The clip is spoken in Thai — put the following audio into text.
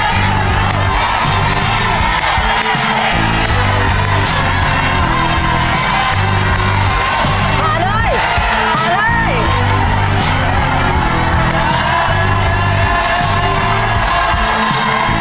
เวลาเริ่มเริ่มแล้วนะครับเวลาไปแล้วเอาละสองนิดหนึ่งแล้วครับคุณผู้ชม